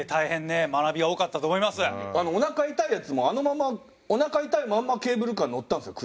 おなか痛いやつもあのままおなか痛いまんまケーブルカーに乗ったんですよ